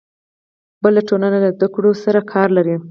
بله ټولنه له زده کړو سره کار لري.